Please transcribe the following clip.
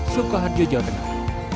sukoharjo jawa tenggara